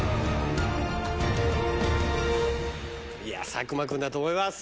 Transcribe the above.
佐久間君だと思います。